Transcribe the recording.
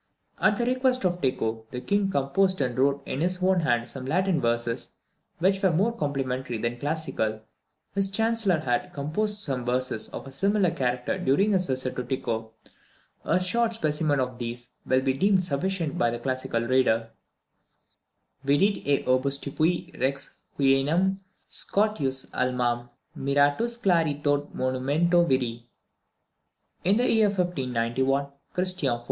At the request of Tycho, the King also composed and wrote in his own hand some Latin verses, which were more complimentary than classical. His Chancellor had also composed some verses of a similar character during his visit to Tycho. A short specimen of these will be deemed sufficient by the classical reader: "Vidit et obstupuit Rex Huennum Scoticus almam; Miratus clari tot monumenta viri." In the year 1591, when Christian IV.